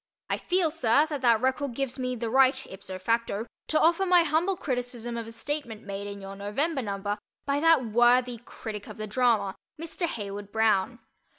I feel, sir, that that record gives me the right ipso facto to offer my humble criticism of a statement made in your November number by that worthy critic of the drama, Mr. Heywood Broun.